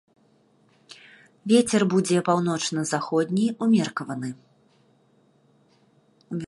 Вецер будзе паўночна-заходні ўмеркаваны.